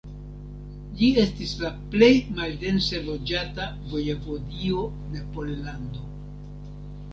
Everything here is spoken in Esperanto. Ĝi estis la plej maldense loĝata vojevodio de Pollando.